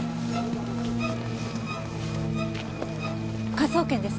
科捜研です。